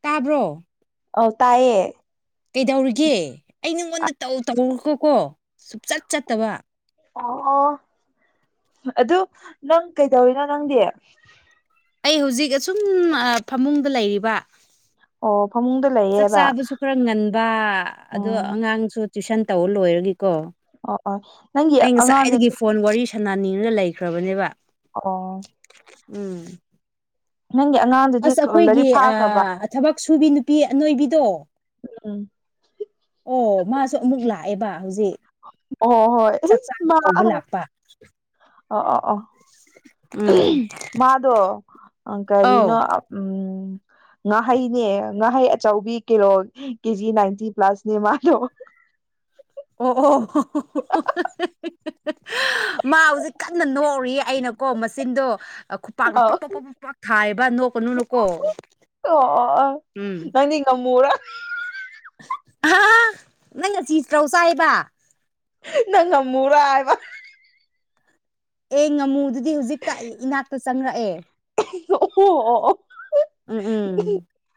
ꯇꯥꯕ꯭ꯔꯣ ꯑꯧ ꯇꯥꯏꯌꯦ ꯀꯩꯗꯧꯔꯤꯒꯦ ꯑꯩ ꯅꯉꯣꯟꯗꯧ ꯇꯧꯔꯨꯀꯣꯀꯣ ꯁꯨꯡꯆꯠ ꯆꯠꯇꯕ ꯑꯣ ꯑꯣ ꯑꯗꯨ ꯅꯪ ꯀꯩꯗꯧꯔꯤꯅꯣ ꯅꯪꯗꯤ ꯑꯩ ꯍꯧꯖꯤꯛ ꯑꯁꯨꯝ ꯐꯃꯨꯡꯗ ꯂꯩꯔꯤꯕ ꯑꯣ ꯐꯃꯨꯡꯗ ꯆꯥꯛ ꯂꯩꯌꯦꯕ ꯆꯥꯕꯁꯨ ꯈꯔ ꯉꯟꯕ ꯑꯗꯣ ꯎꯝ ꯑꯉꯥꯡꯁꯨ ꯇ꯭ꯋꯏꯁꯟ ꯇꯧꯕ ꯂꯣꯏꯔꯒꯀꯣ ꯑꯣ ꯑꯣ ꯅꯪꯒꯤ ꯑꯩ ꯉꯁꯥꯏꯗꯒꯤ ꯑꯉꯥꯡꯗꯨꯗꯤ ꯐꯣꯟ ꯋꯥꯔꯤ ꯁꯅꯥꯅꯤꯡꯔ ꯂꯩꯈ꯭ꯔꯕꯅꯦꯕ ꯑꯣ ꯎꯝ ꯅꯡꯒꯤ ꯑꯉꯥꯡꯗꯨ ꯑꯁ ꯑꯩꯈꯣꯏꯒꯤ ꯊꯕꯛ ꯁꯨꯕꯤ ꯅꯨꯄꯤ ꯑꯅꯣꯏꯕꯤꯗꯣ ꯎꯝ ꯑꯣ ꯃꯥꯁꯨ ꯑꯃꯨꯛ ꯂꯥꯛꯑꯦꯕ ꯍꯧꯖꯤꯛ ꯑꯣ ꯍꯣꯏ ꯆꯥꯛ ꯆꯥꯕ ꯀꯧꯕ ꯂꯥꯛꯄ ꯑꯣ ꯑ ꯑꯣ ꯎꯝ ꯃꯥꯗꯣ ꯑꯧ ꯀꯔꯤꯅꯣ ꯎꯝ ꯉꯥꯍꯩꯅꯦ ꯉꯥꯍꯩ ꯑꯆꯧꯕꯤ ꯀꯤꯂꯣ ꯀꯦꯖꯤ ꯅꯥꯏꯟꯇꯤ ꯄ꯭ꯂꯁꯅꯦ ꯃꯥꯜꯂꯣ ꯑꯣ ꯑꯣ ꯃꯥ ꯍꯧꯖꯤꯛ ꯀꯟꯅ ꯅꯣꯛꯔꯤ ꯑꯩꯅꯀꯣ ꯃꯆꯤꯟꯗꯣ ꯈꯨꯄꯥꯛꯅ ꯑꯧ ꯄꯛꯄꯣꯛ ꯄꯛꯄ ꯈꯨꯄꯥꯛꯥꯛ ꯊꯥꯏꯑꯕ ꯅꯣꯛꯀꯅꯨꯅꯀꯣ ꯎꯝ ꯑꯣ ꯅꯪ ꯉꯃꯣꯔ ꯅꯪ ꯉ ꯆꯧ ꯆꯥꯏꯕ ꯅꯪ ꯉꯃꯔ ꯍꯥꯏꯕ ꯑꯦ ꯉꯥꯃꯨꯗꯨꯗꯤ ꯍꯧꯖꯤꯛꯇ ꯑꯩ ꯏꯅꯥꯛꯇ ꯆꯪꯔꯛꯑꯦ ꯑꯣ ꯍꯣ ꯎꯝ ꯎꯝ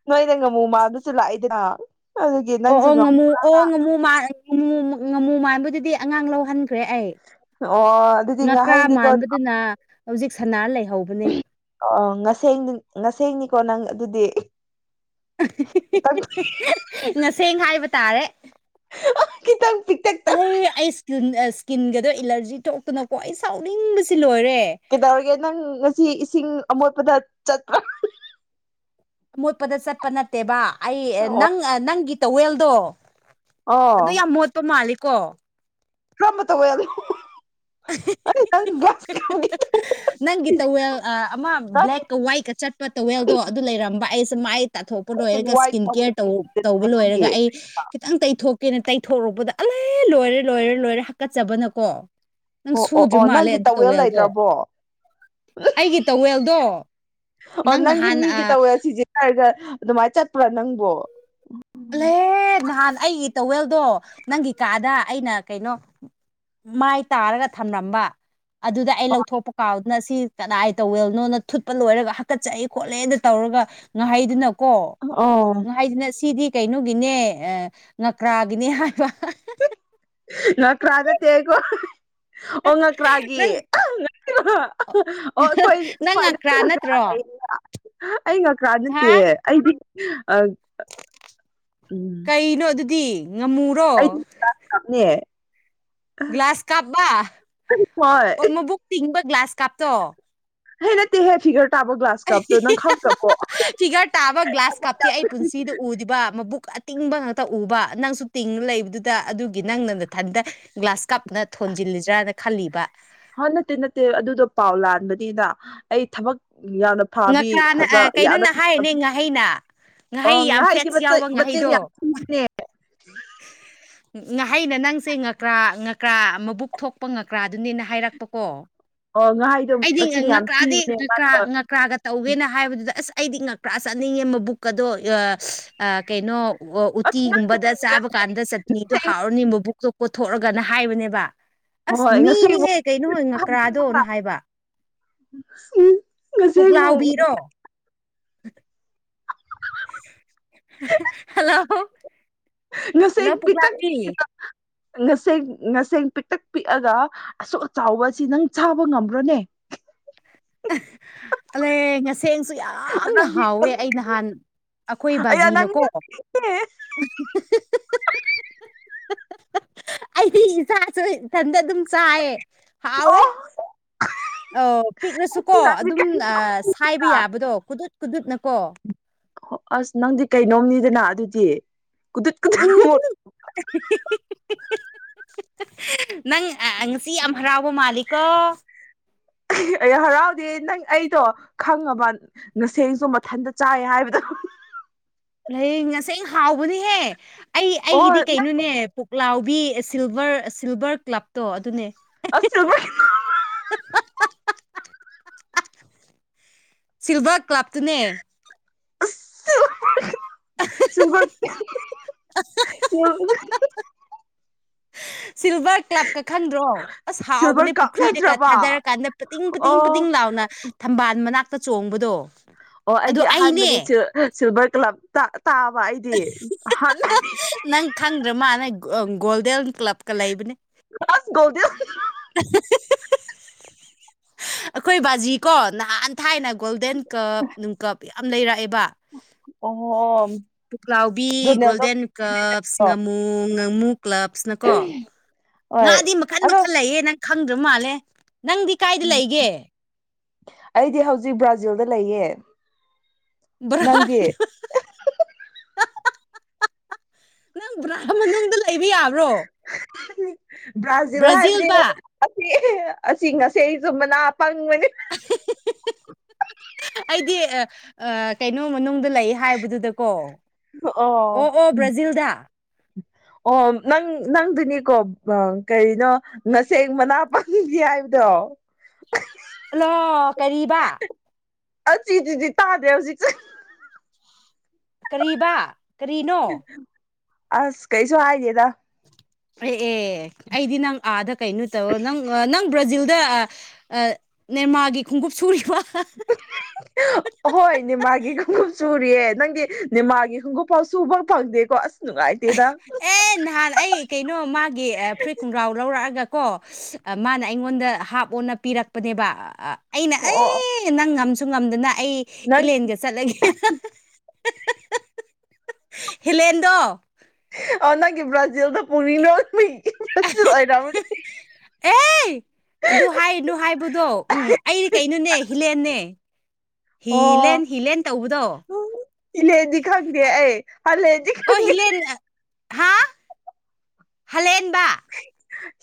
ꯅꯣꯏꯗ ꯉꯥꯃꯨ ꯃꯥꯗꯨꯁꯨ ꯂꯥꯛꯏꯗꯅ ꯑꯗꯨꯒꯤ ꯑꯣ ꯅꯪꯁꯨ ꯑꯣ ꯉꯝꯃꯨ ꯉꯥꯃꯨ ꯑꯣ ꯉꯥꯃꯨ ꯉꯥꯃꯨ ꯉꯥꯃꯨ ꯃꯥꯟꯕꯗꯨꯗꯤ ꯑꯉꯥꯡ ꯂꯧꯍꯟꯈ꯭ꯔꯦ ꯑꯩ ꯑꯣ ꯑꯗꯨꯗꯤ ꯉꯀ꯭ꯔꯥ ꯉꯥꯍꯩꯅꯤꯀꯣ ꯃꯥꯟꯕꯗꯨꯅ ꯍꯧꯖꯤꯛ ꯁꯅꯥꯔ ꯂꯩꯍꯧꯕꯅꯦ ꯑꯣ ꯉꯁ ꯉꯁꯦꯡꯅꯤꯀꯣ ꯅꯪ ꯑꯗꯨꯗꯤ ꯑ ꯉꯁꯦꯡ ꯍꯥꯏꯕ ꯇꯥꯔꯦ ꯈꯤꯪ ꯄꯤꯛꯇ ꯑꯍꯩ ꯑꯩ ꯏꯁꯀꯤꯟ ꯏꯁꯀꯤꯟꯒꯗꯣ ꯑꯦꯂꯔꯖꯤ ꯊꯣꯛꯇꯅꯀꯣ ꯑꯩ ꯁꯥꯎꯅꯤꯡꯕꯁꯤ ꯂꯣꯏꯔꯦ ꯀꯩꯗꯧꯔꯒꯦ ꯅꯪ ꯉꯁꯤ ꯏꯁꯤꯡ ꯑꯃꯣꯠꯄꯗ ꯆꯠꯄ ꯑꯃꯣꯠꯄꯗ ꯆꯠꯄ ꯅꯠꯇꯦꯕ ꯑꯩ ꯑꯣ ꯅꯪ ꯅꯪꯒꯤ ꯇꯋꯦꯜꯗꯣ ꯑꯣ ꯑꯗꯨ ꯌꯥꯝ ꯃꯣꯠꯄ ꯃꯥꯜꯂꯤꯀꯣ ꯀꯝꯕ ꯇꯧꯕ ꯑꯗꯨ ꯑ ꯀꯅꯤ ꯅꯪꯒꯤ ꯇꯧꯋꯦꯜ ꯑꯃ ꯕ꯭ꯂꯦꯛꯀ ꯋꯥꯏꯠꯀ ꯆꯠꯄ ꯇꯧꯋꯦꯜꯗꯣ ꯑꯗꯨ ꯂꯩꯔꯝꯕ ꯑꯩꯁꯦ ꯃꯥꯏ ꯇꯥꯊꯣꯛꯄ ꯂꯣꯏꯔꯒ ꯏꯁꯀꯤꯟ ꯀꯦꯌꯔ ꯇ ꯇꯧꯕ ꯂꯣꯏꯔꯒ ꯅꯪꯒꯤ ꯑꯩ ꯈꯤꯇꯪ ꯇꯩꯊꯣꯛꯀꯦꯅ ꯇꯩꯊꯣꯔꯛꯄꯗ ꯑꯂꯦ ꯂꯣꯏꯔꯦ ꯂꯣꯏꯔꯦ ꯂꯣꯏꯔꯦ ꯍꯥꯀꯠꯆꯕꯅꯀꯣ ꯅꯪ ꯑꯣ ꯑꯣ ꯁꯨꯗ꯭ꯔꯤ ꯑꯣ ꯃꯥꯜꯂꯦ ꯅꯪꯒꯤ ꯑꯗꯨ ꯇꯋꯦꯜ ꯇꯋꯦꯜꯗꯣ ꯂꯩꯇ꯭ꯔꯕꯣ ꯑꯩꯒꯤ ꯇꯋꯦꯜꯗꯣ ꯑꯣ ꯅꯪ ꯅꯒꯤ ꯅꯍꯥꯟ ꯃꯤ ꯑ ꯀꯇ ꯍꯧꯌꯥ ꯁꯤꯦ ꯍꯥꯏꯔꯒ ꯑꯗꯨꯃꯥꯏꯅ ꯆꯠꯄ꯭ꯔꯥ ꯅꯪꯕꯣ ꯂꯍꯦ ꯅꯍꯥꯟ ꯑꯩꯒꯤ ꯇꯋꯦꯜꯗꯣ ꯅꯪꯒꯤ ꯀꯥꯗ ꯑꯩꯅ ꯀꯩꯅꯣ ꯃꯥꯏ ꯇꯥꯔꯒ ꯊꯝꯂꯝꯝꯕ ꯑꯗꯨꯗ ꯑꯩ ꯂꯧꯊꯣꯛꯄ ꯀꯥꯎ ꯅ ꯁꯤ ꯀꯗꯥꯏ ꯇꯧꯋꯦꯕꯅꯣꯅ ꯊꯨꯠꯄ ꯂꯣꯏꯔꯒ ꯍꯥꯀꯠꯆꯑ ꯈꯣꯠꯂꯦꯅ ꯇꯧꯔꯒ ꯉꯍꯩꯗꯨꯅꯀꯣ ꯑꯣ ꯍꯥꯏꯁꯤꯅ ꯁꯤꯗꯤ ꯀꯩꯅꯣꯒꯤꯅꯦ ꯉꯀ꯭ꯔꯥꯒꯤꯅꯦ ꯍꯥꯏꯕ ꯉꯀ꯭ꯔꯥꯗ ꯇꯦꯒꯣ ꯑꯣ ꯉꯀ꯭ꯔꯥꯒꯤ ꯅꯪ ꯑꯣ ꯑꯩꯈꯣꯏ ꯅꯪ ꯁ꯭ꯋꯥꯏꯗ ꯉꯀ꯭ꯔꯥ ꯅꯠꯇ꯭ꯔꯣ ꯑꯩ ꯉꯀꯥ ꯍꯥ ꯅꯠꯇꯦ ꯑꯩꯗꯤ ꯑ ꯎꯝ ꯀꯩꯅꯣ ꯑꯗꯨꯗꯤ ꯉꯝꯃꯨ ꯑꯩꯗꯤ ꯀꯞꯅꯦ ꯒ꯭ꯂꯥꯁ ꯀꯥꯞꯕ ꯑꯣ ꯍꯣꯏ ꯃꯕꯨꯛ ꯇꯤꯡꯕ ꯒ꯭ꯂꯥꯁ ꯀꯥꯞꯇꯣ ꯍꯩ ꯅꯠꯇꯦꯍꯦ ꯐꯤꯒꯔ ꯇꯥꯕ ꯒ꯭ꯂꯥꯁ ꯀꯞꯇꯣ ꯅꯪ ꯈꯪꯛꯇꯄꯣ ꯇꯤ ꯑꯩ ꯄꯨꯟꯁꯤꯗ ꯎꯗꯕ ꯃꯕꯨꯛ ꯑꯇꯤꯡꯕ ꯉꯥꯛꯇ ꯎꯕ ꯅꯪꯁꯨ ꯇꯤꯡꯉ ꯂꯩꯕꯗꯨꯗ ꯑꯗꯨꯒꯤ ꯅꯪꯅ ꯃꯊꯟꯇ ꯒ꯭ꯂꯥꯁ ꯀꯞꯅ ꯊꯣꯟꯖꯤꯜꯂꯤꯗ꯭ꯔꯅ ꯈꯜꯂꯤꯕ ꯍꯣꯏ ꯅꯠꯇꯦ ꯅꯠꯇꯦ ꯑꯗꯨꯗꯣ ꯄꯥꯎ ꯂꯥꯟꯕꯅꯤꯅ ꯑꯩ ꯊꯕꯛ ꯌꯥꯝꯅ ꯐꯥꯕꯤ ꯉꯀ꯭ꯔꯥꯅ ꯑ ꯐꯖ ꯌꯥꯗ ꯀꯩꯅꯣꯅ ꯍꯥꯏꯔꯤꯅꯦ ꯉꯥꯍꯩꯅ ꯑ ꯉꯥꯍꯩ ꯌꯥꯝ ꯉꯍ ꯍꯥꯏꯗꯤ ꯐꯦꯠꯁ ꯌꯥꯎꯕ ꯃ ꯉꯥꯍꯩꯗꯣ ꯌꯥꯝ ꯎ ꯫ [inaudible] ꯉꯍꯩꯅ ꯅꯪꯁꯦ ꯉꯀ꯭ꯔꯥ ꯉꯀ꯭ꯔꯥ ꯃꯕꯨꯛ ꯊꯣꯛꯄ ꯉꯀ꯭ꯔꯥꯗꯨꯅꯦꯅ ꯍꯥꯏꯔꯛꯄꯀꯣ ꯑꯣ ꯍꯥꯏ ꯑꯩꯗꯤ ꯉꯀ꯭ꯔꯥꯗꯤ ꯉꯀ꯭ꯔꯥ ꯉꯀ꯭ꯔꯥꯒ ꯇꯧꯒꯦꯅ ꯍꯥꯏꯕꯗꯨꯗ ꯑꯁ ꯑꯩꯗꯤ ꯉꯛꯄ꯭ꯔꯥ ꯆꯠꯅꯤꯡꯉꯦꯕ ꯕꯨꯛ ꯑꯗꯣ ꯀꯩꯅꯣ ꯑꯣ ꯑꯁ ꯅꯪ ꯎꯇꯤꯒꯨꯝꯕꯗ ꯆꯥꯕ ꯀꯥꯟꯗ ꯆꯠꯅꯤꯗꯣ ꯉꯁꯦꯡ ꯍꯥꯎꯔꯅꯤ ꯃꯕꯨꯁꯨ ꯀꯣꯊꯣꯛꯑꯒꯅ ꯍꯥꯏꯕꯅꯦꯕ ꯑꯁ ꯍꯣꯏ ꯉꯁꯦꯡꯃꯨꯛ ꯃꯤꯅꯤꯍꯦ ꯀꯩꯅꯣ ꯍꯣꯏ ꯉꯀ꯭ꯔꯥꯗꯣꯅ ꯍꯥꯏꯕ ꯎꯝ ꯄꯨꯛꯂꯥꯎꯕꯤꯔꯣ ꯍꯜꯂꯣ ꯁ ꯍꯜꯂꯣ ꯄꯤ ꯄꯨꯛꯂꯥꯎꯕꯤ ꯉꯁꯦꯡ ꯉꯁꯦꯡ ꯄꯤꯛꯇꯛ ꯄꯤꯛꯑꯒ ꯑꯁꯣꯛ ꯑꯆꯥꯎ ꯑꯁꯤ ꯅꯪ ꯆꯥꯕ ꯉꯝꯕ꯭ꯔꯣꯅꯦ ꯑꯗ ꯉꯁꯤ ꯁꯦꯡꯁꯨ ꯌꯥꯝꯅ ꯅꯪꯗꯤ ꯍꯥꯎꯋꯦ ꯑꯁ ꯑꯩ ꯅꯍꯥꯟ ꯑꯩꯈꯣꯏ ꯑꯌꯥ ꯅꯪꯗꯤ ꯕꯥꯖꯤꯅꯀꯣ [inaudible] ꯑꯩꯗꯤ ꯏꯆꯥꯁꯨ ꯏꯊꯟꯗ ꯑꯗꯨꯝ ꯆꯥꯏꯌꯦ ꯍꯥꯎꯋꯦ ꯑꯣ ꯑ ꯄꯤꯛꯂꯁꯨꯀꯣ ꯅꯪꯗꯤ ꯑꯗꯨꯝ ꯀꯩꯅꯣ ꯁꯥꯏꯕ ꯌꯥꯕꯗꯣ ꯀꯨꯗꯨꯠ ꯀꯨꯗꯨꯠꯅꯀꯣ ꯑꯁ ꯅꯪꯗꯤ ꯀꯩꯅꯣꯝꯅꯤꯗꯅ ꯑꯗꯨꯗꯤ ꯀꯨꯗꯨꯠ ꯀꯨꯠ ꯎꯝ [inaudible] ꯅꯪ ꯉꯁꯤ ꯌꯥꯝ ꯍꯔꯥꯎꯕ ꯃꯥꯜꯂꯤꯀꯣ ꯑꯩ ꯍꯔꯥꯎꯗꯦ ꯅꯪ ꯑꯩꯗꯣ ꯈꯪꯉꯕ ꯅꯁꯦꯡꯁꯨ ꯃꯊꯟꯇ ꯆꯥꯏ ꯍꯥꯏꯕꯗꯣ ꯂꯩꯌꯦꯡ ꯉꯁꯥꯏ ꯑ ꯍꯥꯎꯕꯅꯦꯍꯦ ꯑꯩ ꯑꯣ ꯑꯩꯒꯤꯗꯤ ꯅꯪ ꯀꯩꯅꯣꯅꯦ ꯄꯨꯛꯂꯥꯎꯕꯤ ꯁꯤꯜꯚꯔ ꯁꯤꯜꯚꯔ ꯀ꯭ꯂꯞꯇꯣ ꯑꯗꯨꯅꯦ [unintelligible] [inaudible] ꯁꯤꯜꯚꯔ ꯀ꯭ꯂꯞꯇꯨꯅꯦ ꯁꯕ ꯁ ꯁꯤꯜꯚꯔ ꯀ꯭ꯂꯥꯞꯀ ꯈꯪꯗ꯭ꯔꯣ ꯑꯁ ꯁꯤꯜꯚꯔ ꯍꯥꯎꯕꯅꯦ ꯀꯞ ꯄꯨꯈ꯭ꯔꯤꯗꯒ ꯅꯠꯇ꯭ꯔꯕ ꯊꯥꯗꯔꯀꯥꯟꯗ ꯄꯇꯡ ꯄꯇꯡ ꯑꯣ ꯄꯇꯡ ꯂꯥꯎꯅ ꯊꯝꯕꯥꯜ ꯃꯅꯥꯛꯇ ꯆꯣꯡꯕꯗꯣ ꯑꯣ ꯑꯗꯣ ꯑꯩꯗꯤ ꯑꯍꯥꯟꯕꯅꯤ ꯑꯩꯅꯦ ꯁꯤꯜꯚꯔ ꯀ꯭ꯂꯕ ꯇꯥꯕ ꯑꯩꯗꯤ ꯑꯍꯥꯟꯕꯅꯤ ꯅꯪ ꯈꯪꯗ꯭ꯔ ꯃꯥꯅ ꯒꯣꯜꯗꯦꯟ ꯀ꯭ꯂꯕꯀ ꯂꯩꯕꯅꯦ ꯑꯁ ꯒꯣꯜꯗꯦꯟ ꯑꯩꯈꯣꯏ ꯕꯥꯖꯤ ꯀꯣ ꯅꯍꯥꯟ ꯊꯥꯏꯅ ꯒꯣꯜꯗꯦꯟ ꯀꯞ ꯅꯨꯡꯀꯞ ꯌꯥꯝ ꯂꯩꯔꯛꯑꯦꯕ ꯑꯣ ꯄꯨꯛꯂꯥꯎꯕꯤ ꯒꯣꯜꯗꯦꯟ ꯔꯣꯅꯦꯜꯗꯣꯒꯤꯗꯣ ꯀ꯭ꯂꯞꯁ ꯉꯥꯃꯨ ꯉꯥꯃꯨ ꯀ꯭ꯂꯞꯁꯅꯀꯣ ꯍꯣꯏ ꯉꯥꯗꯤ ꯃꯈꯜ ꯑꯗꯣ ꯃꯈꯜ ꯂꯩꯌꯦ ꯅꯪ ꯈꯪꯗ꯭ꯔ ꯃꯥꯜꯂꯦ ꯅꯪꯗꯤ ꯀꯥꯏꯗ ꯂꯩꯒꯦ ꯑꯩꯗꯤ ꯍꯧꯖꯤꯛ ꯕ꯭ꯔꯥꯖꯤꯜꯗ ꯂꯩꯌꯦ ꯕ꯭ꯔꯥꯜ ꯅꯪꯗꯤ ꯅꯪ ꯕ꯭ꯔꯥ ꯃꯅꯨꯡꯗ ꯂꯩꯕ ꯌꯥꯕ꯭ꯔꯣ ꯕ꯭ꯔꯥꯖꯤꯜ ꯍꯥꯏꯕ ꯕ꯭ꯔꯥꯖꯤꯜꯗ ꯑꯁꯤ ꯑꯁꯤ ꯉꯁꯤꯁꯨ ꯃꯅꯥ ꯄꯪꯕꯅꯤ ꯑꯩꯗꯤ ꯑꯥ ꯑꯥ ꯀꯩꯅꯣ ꯃꯅꯨꯡꯗ ꯂꯩ ꯍꯥꯏꯕꯗꯨꯗꯀꯣ ꯑꯣ ꯑꯣ ꯕ꯭ꯔꯥꯖꯤꯜꯗ ꯑꯣ ꯅꯪ ꯅꯪꯗꯨꯅꯤꯀꯣ ꯑ ꯀꯩꯅꯣ ꯉꯁꯤ ꯃꯅꯥ ꯄꯥꯅꯤꯡꯉꯤ ꯍꯥꯏꯕꯗꯣ ꯍꯜꯂꯣ ꯀꯔꯤꯕ ꯑꯁꯤꯗꯨꯗꯤ ꯇꯥꯗ‌ꯦ ꯍꯧꯖꯤꯛꯁꯨ ꯀꯔꯤꯕ ꯀꯔꯤꯅꯣ ꯑꯁ ꯀꯩꯁꯨ ꯍꯥꯏꯗ‌ꯦꯗ ꯑꯦ ꯑꯦ ꯑꯩꯗꯤ ꯅꯪ ꯑꯥꯗ ꯀꯩꯅꯣ ꯇꯧꯔ ꯅꯪ ꯅꯪ ꯕ꯭ꯔꯥꯖꯤꯜꯗ ꯑꯥ ꯅꯦꯃꯥꯔꯒꯤ ꯈꯣꯡꯎꯞ ꯁꯨꯔꯤꯕ‌ꯣ ꯍꯣꯏ ꯅ‌ꯦꯃꯥꯔꯒꯤ ꯈꯣꯡꯎꯞ ꯁꯨꯔꯤꯌꯦ ꯅꯪꯒꯤ ꯅ‌ꯦꯃꯥꯔꯒꯤ ꯈꯣꯡꯎꯞꯐꯥꯎ ꯁꯨꯕ ꯐꯪꯗꯦꯀꯣ ꯑꯁ ꯅꯨꯡꯉꯥꯏꯇꯦꯗ ꯑꯦ ꯅꯍꯥꯟ ꯑꯩ ꯀꯩꯅꯣ ꯃꯥꯒꯤ ꯐꯨꯔꯤꯠ ꯈꯣꯡꯒ꯭ꯔꯥꯎ ꯂꯧꯔꯛꯑꯒ ꯀꯣ ꯃꯥꯅ ꯑꯩꯉꯣꯟꯗ ꯍꯥꯞ ꯑꯣꯟꯅ ꯄꯤꯔꯛꯄꯅꯦꯕ ꯑꯩꯅ ꯑꯣ ꯑꯣ ꯑꯦ ꯅꯪ ꯉꯝꯁꯨ ꯉꯝꯗꯅ ꯑꯩ ꯅꯪ ꯏꯂꯦꯟꯒ ꯆꯠꯂꯒꯦ ꯍ‌ꯦꯂꯦꯟꯗꯣ ꯑꯣ ꯅꯪꯒꯤ ꯕ꯭ꯔꯥꯖꯤꯜꯗ ꯄꯨꯔꯤꯅꯕ ꯃꯤ ꯕꯔꯥꯖꯤꯜ ꯑꯣꯏꯔꯝꯃꯅꯤ ꯑꯦ ꯑꯗꯨ ꯍꯥꯏꯔꯅꯨ ꯍꯥꯏꯕꯗꯣ ꯎꯝ ꯑꯩꯗꯤ ꯀꯩꯅꯣꯅꯦ ꯍꯤꯂꯦꯟꯅꯦ ꯍꯤꯂꯦꯟ ꯍꯤꯂꯦꯟ ꯇꯧꯕꯗꯣ ꯏꯂꯦꯟꯗꯤ ꯈꯪꯗꯦ ꯑꯩ ꯍꯂꯦꯟꯗꯤ ꯑꯣ ꯍꯤꯂꯦꯟ ꯍꯥ ꯍꯂꯦꯟꯕ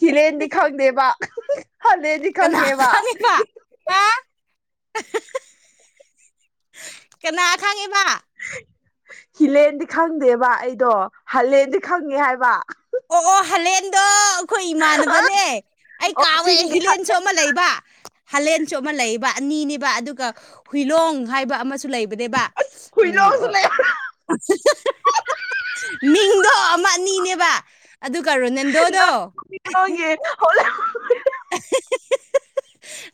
ꯍꯤꯂ‌ꯦꯟꯗꯤ ꯈꯪꯗꯦꯕ ꯍꯂꯦꯟꯗꯤ ꯀꯅꯥ ꯈꯪꯉꯦꯕ ꯈꯪꯉꯤꯕ ꯍꯥ ꯀꯅꯥ ꯈꯪꯉ‌ꯦꯕ ꯍꯤꯂꯦꯟꯗꯤ ꯈꯪꯗꯦꯕ ꯑꯩꯗꯣ ꯍꯥꯂꯦꯟꯗꯤ ꯈꯪꯉꯦ ꯍꯥꯏꯕ ꯑꯣ ꯑꯣ ꯍꯂꯦꯟꯗꯣ ꯑꯩꯈꯣꯏ ꯏꯃꯥꯟꯅꯕꯅꯦ ꯑꯩ ꯑꯣ ꯀꯥꯎꯋꯦ ꯆꯤꯡꯒꯤ ꯍꯤꯂꯦꯟꯁꯨ ꯂꯩꯕ ꯍꯥꯂꯦꯟꯁꯨ ꯑꯃ ꯂꯩꯕ ꯑꯅꯤꯅꯦꯕ ꯑꯗꯨꯒ ꯍꯨꯏꯂꯣꯡ ꯍꯥꯏꯕ ꯑꯃꯁꯨ ꯂꯩꯕ ꯅꯦꯕ ꯎꯝ ꯍꯨꯏꯂꯣꯡꯁꯨ ꯑꯣ ꯂꯩ ꯃꯤꯡꯗꯣ ꯑꯃ ꯑꯅꯤꯅꯦꯕ ꯑꯗꯨꯒ ꯔꯣꯅꯥꯟꯗꯣꯗꯣ [unintelligible]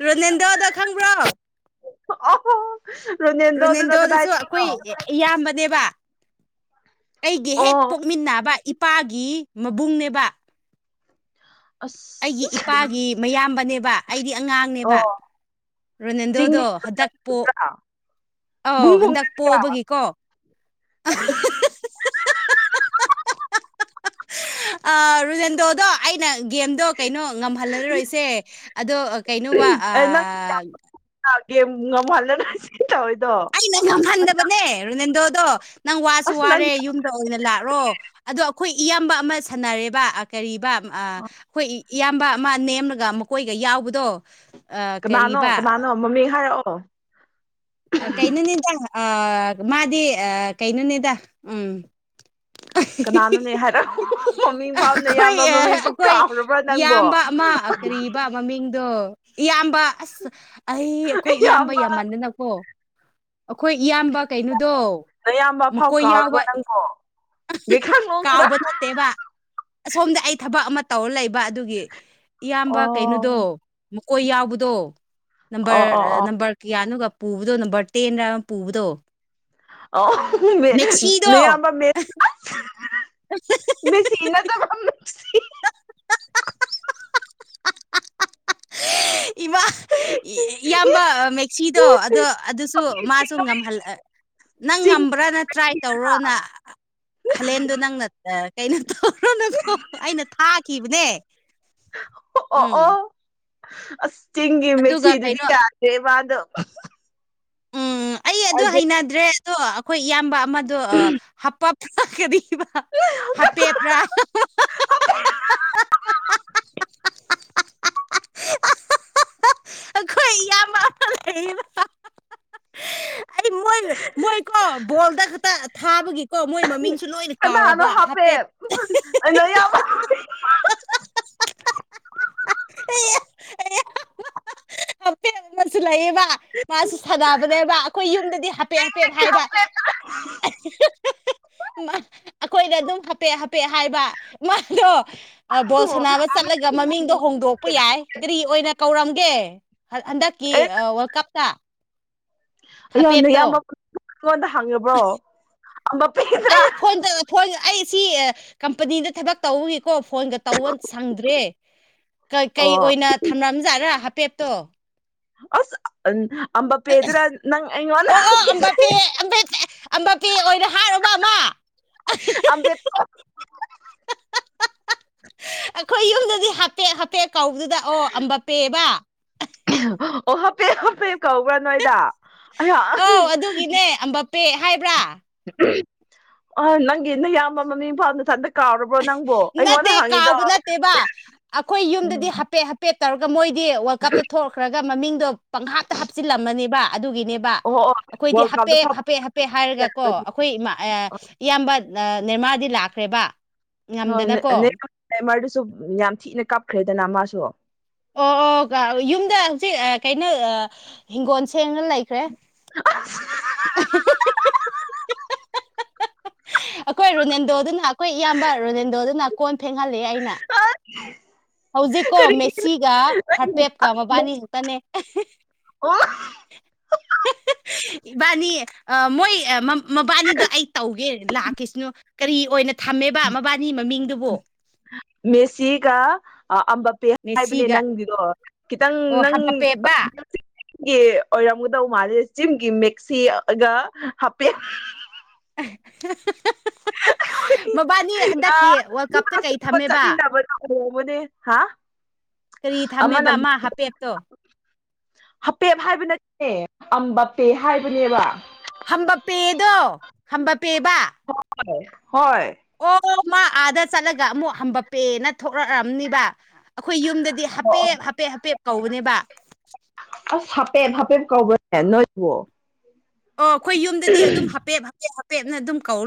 ꯔꯣꯅꯦꯟꯗꯣꯗ‌ꯣ ꯈꯪꯕ꯭ꯔꯣ ꯑꯍꯣ ꯔꯣꯅꯥꯟꯗ‌ꯣ ꯗꯨꯅ ꯔꯣꯅꯦꯜꯗꯣꯗꯨꯁꯨ ꯀꯗꯥꯏꯗꯒꯤꯅꯣ ꯑꯩꯈꯣꯏ ꯏꯌꯥꯝꯕꯅꯦꯕ ꯑꯩꯒꯤ ꯍꯦꯛ ꯑꯣ ꯄꯣꯛꯃꯤꯟꯅꯕ ꯏꯄꯥꯒꯤ ꯃꯕꯨꯡꯅꯦꯕ ꯑꯩꯒꯤ ꯑꯁ ꯏꯄꯥꯒꯤ ꯃꯌꯥꯝꯕꯅꯦꯕ ꯑꯩꯗꯤ ꯑꯣ ꯑꯉꯥꯡꯅꯦꯕ ꯔꯣꯅꯥꯜꯗꯣꯗꯣ ꯍꯟꯗꯛ ꯄꯣ ꯆꯤꯡꯗꯒꯤꯒꯗ꯭ꯔꯥ ꯑꯥꯎ ꯕꯨꯡ ꯍꯟꯗꯛ ꯕꯨꯡꯅꯗ꯭ꯔꯥ ꯄꯣꯕꯒꯤꯀꯣ [unintelligible] ꯑꯥ ꯔꯣꯅꯥꯟꯗꯣꯗꯣ ꯑꯩꯅ ꯒꯦꯝꯗꯣ ꯀꯩꯅꯣ ꯉꯝꯍꯜꯂꯔꯣꯏꯁꯦ ꯑꯗꯣ ꯀꯩꯅꯣ ꯋꯥ ꯑꯦ ꯅꯪꯅ ꯑꯥ ꯒꯦꯝ ꯉꯝꯍꯜꯂꯔꯣꯏ ꯁꯦ ꯑꯩꯅ ꯉꯝꯍꯟꯗꯕꯅꯦ ꯔꯣꯅꯥꯟꯗꯣꯗꯣ ꯅꯪ ꯋꯥꯁꯨ ꯑꯁ ꯋꯥꯔꯦ ꯅꯪꯗꯤ ꯌꯨꯝ ꯑꯣꯏꯅ ꯂꯥꯛꯔꯣ ꯑꯗꯣ ꯑꯩꯈꯣꯏ ꯏꯌꯥꯝꯕ ꯑꯃ ꯁꯥꯟꯅꯔꯦꯕ ꯑꯥ ꯀꯔꯤꯕ ꯑꯥ ꯑꯩꯈꯣꯏ ꯏꯌꯥꯝꯕ ꯑꯃ ꯅꯦꯝꯔꯒ ꯃꯀꯣꯏꯒ ꯌꯥꯎꯕꯗꯣ ꯀꯅꯥꯅꯣ ꯀꯔꯤꯕ ꯀꯅꯥꯅꯣ ꯃꯃꯤꯡ ꯍꯥꯏꯔꯛꯑꯣ ꯀꯩꯩꯅ‌ꯣꯅꯤꯗ ꯑ ꯃꯥꯗꯤ ꯑ ꯀꯩꯩꯅ‌ꯣꯅꯤꯗ ꯎꯝ ꯀꯅꯥꯅꯣꯅꯦ ꯍꯥꯏꯔꯛꯑꯣ ꯃꯃꯤꯡ ꯐꯥꯎ ꯑꯩꯈꯣꯏ ꯅꯌꯥꯝꯕ ꯑꯥ ꯃꯃꯤꯡ ꯐꯥꯎ ꯑꯩꯈꯣꯏ ꯀꯥꯎꯔꯕ꯭ꯔꯥ ꯅꯪꯕꯣ ꯏꯌꯥꯝꯕ ꯑꯃ ꯀꯔꯤ ꯃꯃꯤꯡꯗꯣ ꯏꯌꯥꯝꯕ ꯑꯁ ꯑꯩ ꯑꯩꯈꯣꯏ ꯏꯌꯥꯝꯕ ꯌꯥꯝꯃꯟꯗꯅꯀꯣ ꯑꯩꯈꯣꯏ ꯏꯌꯥꯝꯕ ꯀꯩꯅꯣꯗꯣ ꯅꯌꯥꯝꯕ ꯐꯥꯎ ꯃꯀꯣꯏ ꯌꯥꯎꯕ ꯀꯥꯎꯔꯕ꯭ꯔꯥ ꯅꯪꯕꯣ ꯒꯩꯈꯥꯡ ꯅꯣꯡꯗꯨꯔꯥ ꯀꯥꯎꯕ ꯅꯠꯇꯦꯕ ꯑꯁꯣꯝꯗ ꯑꯩ ꯊꯕꯛ ꯑꯃ ꯇꯧꯔ ꯂꯩꯕ ꯑꯗꯨꯒꯤ ꯏꯌꯥꯝꯕ ꯑꯣ ꯀꯩꯅꯣꯗꯣ ꯃꯀꯣꯏ ꯌꯥꯎꯕꯗꯣ ꯑꯣ ꯑꯣ ꯅꯝꯕꯔ ꯑꯣ ꯅꯝꯕꯔ ꯀꯌꯥꯅꯣꯒ ꯄꯨꯕꯗꯣ ꯅꯝꯕꯔ ꯇꯦꯟꯅ ꯄꯨꯕꯗꯣ ꯑꯣ ꯃꯦꯛꯁꯤꯗꯣ ꯅꯌꯥꯝꯕ [inaudible] ꯃꯁꯤꯅꯗꯅ ꯏꯃꯥ ꯏꯌꯥꯝꯕ ꯃꯦꯛꯁꯤꯗꯣ ꯑꯗꯣ ꯑꯗꯨꯁꯨ ꯃꯥꯁꯨ ꯉꯝꯍꯜꯂ ꯅꯪ ꯆꯤꯡ ꯉꯝꯕ꯭ꯔꯅ ꯇ꯭ꯔꯥꯏ ꯇꯧꯔꯣꯅ ꯍꯂꯦꯟꯗꯨ ꯅꯪꯅ ꯀꯩꯅꯣ ꯇꯧꯔꯅ ꯑꯩꯅ ꯊꯥꯈꯤꯕꯅꯦ ꯑꯣ ꯑꯣ ꯎꯝ ꯑꯣ ꯑꯁ ꯆꯤꯡꯒꯤ ꯑꯗꯨꯒ ꯃꯦꯛꯁꯤꯗꯨꯗꯤ ꯀꯩꯅꯣ ꯌꯥꯗꯦꯕꯥꯗꯣ ꯎꯝ ꯑꯩ ꯑꯗꯨ ꯍꯩꯅꯗ꯭ꯔꯦ ꯑꯗꯣ ꯑꯩꯈꯣꯏ ꯏꯌꯥꯝꯕ ꯑꯃꯗꯣ ꯍꯥꯞꯄꯛ ꯀꯅꯤ ꯍꯥꯞꯄꯦꯞꯔꯥ ꯑꯈꯣꯏ ꯏꯌꯥꯝꯕ ꯑꯃꯥ ꯂꯩꯌꯦꯕ ꯑꯩ ꯃꯣꯏ ꯃꯣꯏꯀꯣ ꯕꯣꯜꯗ ꯈꯛꯇ ꯊꯥꯕꯒꯤꯀꯣ ꯃꯣꯏ ꯃꯃꯤꯡꯁꯨ ꯂꯣꯏꯅ ꯀꯥꯎꯔꯕ ꯍꯥꯄꯦꯠ ꯑꯅ ꯌꯥꯝ ꯫ [unintelligible] [unintelligible] ꯑꯦ ꯫ [unintelligible] [unintelligible] [unintelligible] ꯍꯥꯄꯦꯠ ꯑꯃꯁꯨ ꯂꯩꯌꯦꯕ ꯃꯥꯁꯨ ꯁꯥꯟꯅꯕꯅꯦꯕ ꯑꯩꯈꯣꯏ ꯌꯨꯝꯗꯗꯤ ꯍꯥꯄꯦꯠ ꯍꯥꯄꯦꯠ ꯍꯥꯏꯕ ꯑꯩꯈꯣꯏꯅ ꯑꯗꯨꯝ ꯍꯥꯄꯦꯠ ꯍꯥꯄꯦꯠ ꯍꯥꯏꯕ ꯃꯥꯗꯣ ꯕꯣꯜ ꯁꯅꯕ ꯆꯠꯂꯒ ꯃꯃꯤꯡꯗꯣ ꯍꯣꯡꯗꯣꯛꯄ ꯌꯥꯏ ꯀꯔꯤ ꯑꯣꯏꯅ ꯀꯧꯔꯝꯒꯦ ꯍꯟꯗꯛꯀꯤ ꯑꯦ ꯋꯥꯔꯜ ꯀꯞꯇ ꯑꯩꯌꯥ ꯍꯥꯄꯦꯞꯇꯣ ꯅꯌꯥꯝꯕ ꯈꯣꯢꯉꯣꯟꯗ ꯍꯪꯉꯕ꯭ꯔꯣ [unintelligible] ꯐꯣꯟꯗ ꯑꯩ ꯁꯤ ꯀꯝꯄꯅꯤꯗ ꯊꯕꯛ ꯇꯧꯕꯒꯤꯀꯣ ꯐꯣꯟꯒ ꯇꯧꯕ ꯁꯪꯗ꯭ꯔꯦ ꯀꯩ ꯑꯣ ꯑꯣꯏꯅ ꯊꯝꯔꯝꯖꯥꯠꯔꯥ ꯍꯥꯄꯦꯠꯇꯣ ꯑꯁ ꯑꯝꯕꯄꯦꯗꯨꯔ ꯅꯪ ꯑꯩ ꯑꯝꯕꯄꯦ ꯑꯣꯏꯅ ꯍꯥꯏꯔꯨꯕ ꯑꯃ ꯑꯝꯕꯦꯗꯀ ꯫ [unintelligible] [unintelligible] ꯑꯩꯈꯣꯏ ꯌꯨꯝꯗꯗꯤ ꯍꯄꯦ ꯍꯄꯦ ꯀꯧꯕꯗꯨꯗ ꯑꯣ ꯑꯦꯝ ꯕꯥꯟꯄꯦ ꯍꯥꯢꯕ ꯫ ꯑꯣ ꯍꯥꯞꯄꯦ ꯍꯥꯞꯄꯦ ꯀꯧꯕ꯭ꯔꯥ ꯅꯣꯏꯗ ꯑꯩꯍꯥꯛ ꯄꯦ ꯍꯥꯏꯕ꯭ꯔꯥ ꯑ ꯅꯪꯒꯤ ꯅꯌꯥꯝꯕ ꯃꯃꯤꯡꯐꯥꯎ ꯅꯊꯥꯟꯇ ꯅꯠꯇꯦ ꯀꯥꯎꯕ ꯅꯠꯇꯦꯕ ꯑꯩꯈꯣꯏ ꯌꯨꯝꯗꯗꯤ ꯍꯥꯄꯦꯠ ꯄꯦꯠ ꯇꯧꯔꯒ ꯃꯣꯏꯗꯤ ꯋꯥꯔꯜ ꯀꯞꯇ ꯊꯣꯛꯛꯈ꯭ꯔꯒ ꯃꯃꯤꯡꯗꯣ ꯄꯪꯍꯥꯞꯇ ꯍꯥꯞꯆꯤꯜꯂꯝꯃꯅꯦꯕ ꯑꯗꯨꯒꯤꯅꯦꯕ ꯑꯣ ꯑꯩꯈꯣꯏꯗꯤ ꯋꯥꯔꯜ ꯀꯞꯇ ꯍꯥꯄꯦꯠ ꯐꯥꯎ ꯍꯥꯄꯦ ꯍꯥꯄꯦ ꯍꯥꯏꯔꯒ ꯀꯣ ꯑꯩꯈꯣꯏ ꯢꯃꯥ ꯏꯌꯥꯝꯕ ꯅꯤꯔꯃꯥꯔꯗꯤ ꯂꯥꯛꯈ꯭ꯔꯦꯕ ꯍ ꯉꯝꯗꯅꯀꯣ ꯅꯃꯔꯗꯨꯁꯨ ꯌꯥꯝ ꯊꯤꯅ ꯀꯞꯈ꯭ꯔꯦꯗꯅ ꯃꯥꯁꯨ ꯑꯣ ꯑꯣ ꯌꯨꯝꯗ ꯍꯧꯖꯤꯛ ꯀꯩꯅꯣ ꯍꯤꯡꯒꯣꯜ ꯁꯦꯡꯅ ꯂꯩꯈ꯭ꯔꯦ [unintelligible] ꯑꯁ ꯑꯩꯈꯣꯏ ꯔꯣꯅꯜꯗꯣꯗꯨꯅ ꯑꯩꯈꯣꯏ ꯏꯌꯥꯝꯕ ꯔꯣꯅꯜꯗꯣꯗꯨꯅ ꯀꯣꯟ ꯐꯦꯡꯍꯜꯂꯤ ꯑꯩꯅ ꯑ ꯍꯧꯖꯤꯛꯀꯣ ꯃꯦꯁꯤꯒ ꯍꯥꯔꯄꯦꯞꯀ ꯑꯁ ꯃꯕꯥꯅꯤ ꯈꯛꯇꯅꯦ [unintelligible] ꯏꯕꯥꯅꯤ ꯃꯣꯏ ꯃꯕꯥꯅꯤꯗ ꯑꯩ ꯇꯧꯒꯦ ꯂꯥꯛꯈꯤꯁꯟꯅꯣ ꯀꯔꯤ ꯑꯣꯏꯅ ꯊꯝꯃꯦꯕ ꯃꯕꯥꯅꯤ ꯃꯃꯤꯡꯗꯨꯕꯨ ꯃꯦꯁꯤꯒ ꯑꯝꯕ ꯄꯦ ꯍꯥꯏꯕꯅꯦ ꯃꯦꯁꯤꯒ ꯅꯪꯒꯤꯗꯣ ꯈꯤꯇꯪ ꯑꯣ ꯅꯪ ꯍꯥꯄꯦꯕ ꯆꯤꯝꯒꯤ ꯑꯣꯏꯔꯝꯒꯗꯧ ꯃꯥꯂꯦ ꯆꯤꯝꯒꯤ ꯃꯦꯛꯁꯤꯒ ꯍꯥꯞꯄꯦꯟ ꯫ ꯑꯦ ꯫ [unintelligible] [unintelligible] [unintelligible] ꯍꯥ ꯫ [unintelligible] ꯃꯕꯥꯅꯤ ꯍꯟꯗꯛꯀꯤ ꯋꯥꯔꯜ ꯀꯞꯇ ꯀꯩ ꯊꯝꯃꯦꯕ ꯆꯠꯃꯤꯟꯅꯕꯗꯣ ꯑꯣꯏꯔꯝꯒꯅꯤ ꯍꯥ ꯀꯔꯤ ꯑꯃꯅ ꯊꯝꯃꯦꯕꯃꯥ ꯍꯥꯄꯦꯞꯇꯣ ꯍꯥꯄꯦꯞ ꯍꯥꯏꯕ ꯅꯠꯇꯦ ꯑꯝꯕꯄꯦ ꯍꯥꯏꯕꯅꯦꯕ ꯍꯝꯕ ꯄꯦꯗꯣ ꯍꯝꯕ ꯄꯦꯕ ꯍ ꯍꯣꯏ ꯑꯣ ꯃꯥ ꯑꯥꯗ ꯆꯠꯂꯒ ꯑꯃꯨꯛ ꯍꯝꯕꯄꯦꯅ ꯊꯣꯛꯂꯛꯑꯝꯅꯤꯕ ꯑꯩꯈꯣꯏ ꯌꯨꯝꯗꯗꯤ ꯍꯥꯄꯦꯞ ꯍꯥꯄꯦꯠ ꯍꯥꯄꯦꯞ ꯀꯧꯕꯅꯦꯕ ꯑꯁ ꯍꯥꯄꯦꯞ ꯍꯥꯄꯦꯞ ꯀꯧꯕꯅꯦ ꯅꯣꯏꯕꯨꯣ ꯑꯣ ꯑꯩꯈꯣꯏ ꯌꯨꯝꯗꯗꯤ ꯑꯗꯨꯝ ꯍꯥꯄꯦꯠ ꯍꯥꯄꯦꯠ ꯍꯥꯄꯦꯠꯅ ꯑꯗꯨꯝ ꯀꯧꯔ